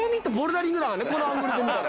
このアングルで見たら。